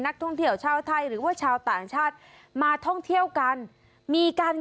นักท่องเที่ยวชาวไทยหรือว่าชาวต่างชาติมาท่องเที่ยวกันมีการ